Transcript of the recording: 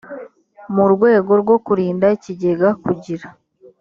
mu rwego rwo kurinda ikigega kugira